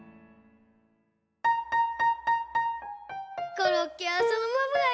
コロッケはそのままがいいよ。